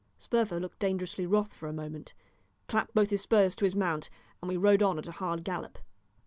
Sperver looked dangerously wroth for a moment, clapped both his spurs to his mount, and we rode on at a hard gallop.